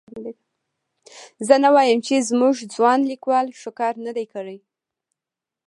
زه نه وایم چې زموږ ځوان لیکوال ښه کار نه دی کړی.